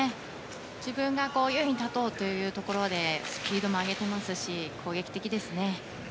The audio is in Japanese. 自分が優位に立とうというところでスピードも上げていますし攻撃的ですね。